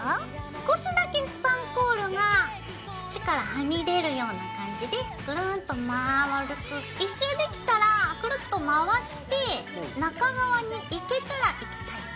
少しだけスパンコールが縁からはみ出るような感じでぐるんっと丸く１周できたらくるっと回して中側にいけたらいきたい。